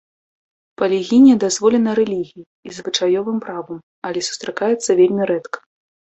Палігінія дазволена рэлігіяй і звычаёвым правам, але сустракаецца вельмі рэдка.